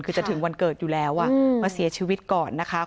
คือจะถึงวันเกิดอยู่แล้วมาเสียชีวิตก่อนนะคะ